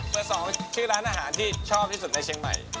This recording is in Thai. สองชื่อร้านอาหารที่ชอบที่สุดในเชียงใหม่